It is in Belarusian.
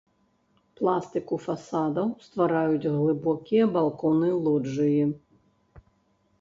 Пластыку фасадаў ствараюць глыбокія балконы-лоджыі.